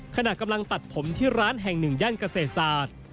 ขณะกำลังตัดผมที่ร้านแห่งหนึ่งย่านเกษตรศาสตร์